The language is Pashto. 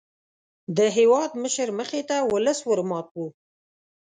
د هېوادمشر مخې ته ولس ور مات وو.